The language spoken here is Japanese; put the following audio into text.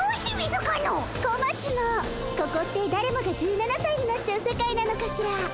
ここってだれもが１７さいになっちゃう世界なのかしら。